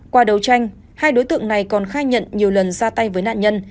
qua đấu tranh hai đối tượng này còn khai nhận nhiều lần ra tay với nạn nhân